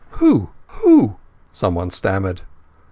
"Who—who—" someone stammered.